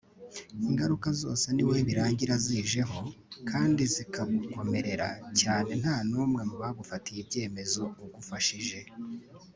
Ingaruka zose ni wowe birangira zijeho kandi zikagukomerera cyane nta n’umwe mu bagufatiye ibyemezo ugufashije